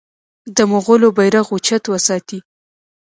د مغولو بیرغ اوچت وساتي.